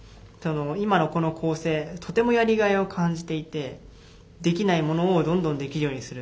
今のこの構成とてもやりがいを感じていてできないものをどんどんできるようにする。